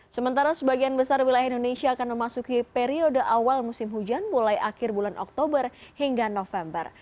sementara sebagian besar wilayah indonesia akan memasuki periode awal musim hujan mulai akhir bulan oktober hingga november